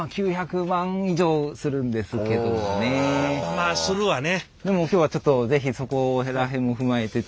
まあするわね。